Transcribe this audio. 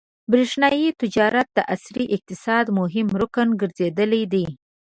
برېښنايي تجارت د عصري اقتصاد مهم رکن ګرځېدلی دی.